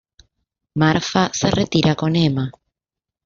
Marfa se retira con Emma.